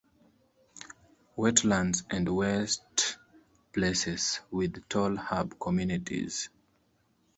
Wetlands and wet places with tall herb communities.